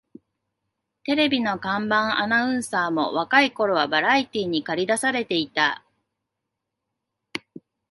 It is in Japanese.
テレビの看板アナウンサーも若い頃はバラエティーにかり出されていた